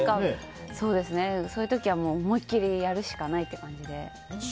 そういう時は思いっきりやるしかないって感じで。